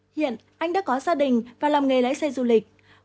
hiện anh đã có gia đình và làm nghề lái xe du lịch